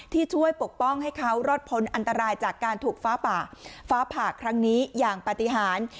ที่ช่วยปกป้องให้เขารอดพ้นอันตรายจากการถูกฟ้าผ่าฟ้าผ่าครั้งนี้อย่างปฏิหาร